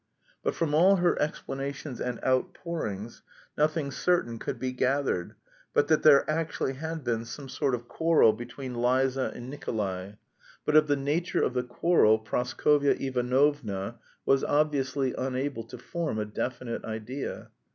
But from all her explanations and outpourings nothing certain could be gathered but that there actually had been some sort of quarrel between Liza and Nikolay, but of the nature of the quarrel Praskovya Ivanovna was obviously unable to form a definite idea.